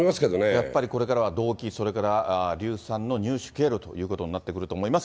やっぱりこれからは動機、それから硫酸の入手経路ということになってくると思います。